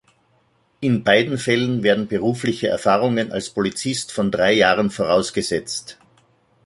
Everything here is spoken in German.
In beiden Fällen werden berufliche Erfahrungen als Polizist von drei Jahren vorausgesetzt.